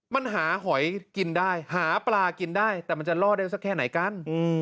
มันหาหอยกินได้หาปลากินได้แต่มันจะล่อได้สักแค่ไหนกัน